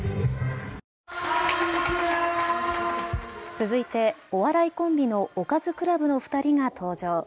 続いてお笑いコンビのおかずクラブの２人が登場。